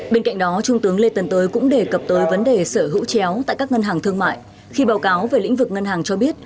bên cạnh đó trung tướng lê tân tới cũng đề cập tới vấn đề sở hữu chéo tại các ngân hàng thương mại khi báo cáo về lĩnh vực ngân hàng cho biết